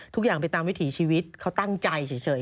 ทุกอย่างไปตามวิถีชีวิตเขาตั้งใจเฉย